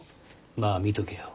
まあ見とけよ。